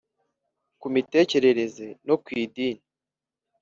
Ku mitekerereze no ku idini.